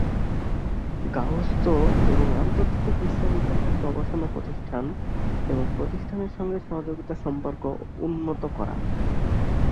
গার্হস্থ্য এবং আন্তর্জাতিক বিশ্ববিদ্যালয়ের গবেষণা প্রতিষ্ঠান এবং প্রতিষ্ঠানের সঙ্গে সহযোগিতা সম্পর্ক উন্নীত করা।